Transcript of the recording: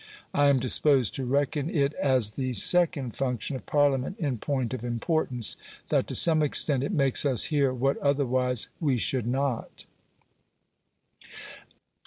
I am disposed to reckon it as the second function of Parliament in point of importance, that to some extent it makes us hear what otherwise we should not.